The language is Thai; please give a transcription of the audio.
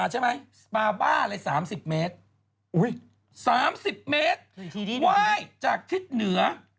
จากทิศเหนือ